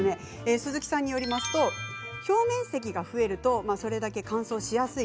鈴木さんによりますと表面積が増えるとそれだけ乾燥しやすい。